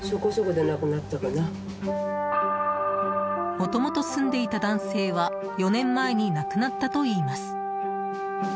もともと住んでいた男性は４年前に亡くなったといいます。